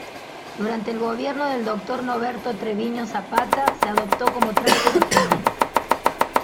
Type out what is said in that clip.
Durante el gobierno del Dr. Norberto Treviño Zapata se adoptó como traje regional.